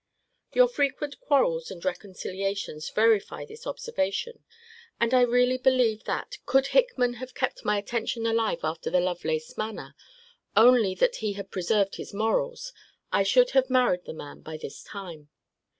Your frequent quarrels and reconciliations verify this observation: and I really believe, that, could Hickman have kept my attention alive after the Lovelace manner, only that he had preserved his morals, I should have married the man by this time.